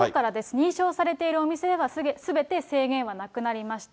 認証されているお店ではすべて制限はなくなりました。